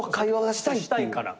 したいから。